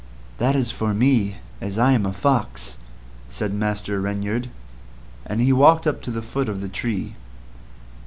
"That's for me, as I am a Fox," said Master Reynard, and he walked up to the foot of the tree.